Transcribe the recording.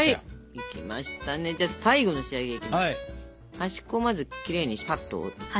端っこをまずきれいにスパッと。